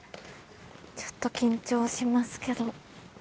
ちょっと緊張しますけど。